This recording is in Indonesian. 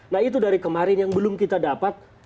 nah itu dari kemarin yang belum kita dapat